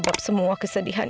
bapak yang peduli